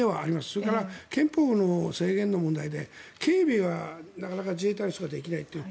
それから憲法の制限の問題で警備がなかなか自衛隊ができないという。